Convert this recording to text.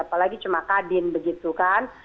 apalagi cuma kadin begitu kan